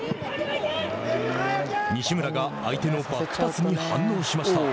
西村が相手のバックパスに反応しました。